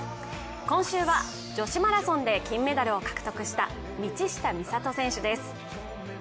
今週は女子マラソンで金メダルを獲得した道下美里選手です。